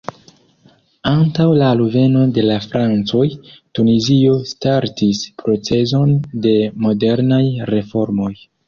Antaŭ la alveno de la francoj, Tunizio startis procezon de modernaj reformoj.